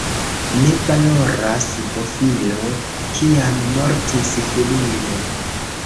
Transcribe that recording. Ne valoras bofilo, kiam mortis filino.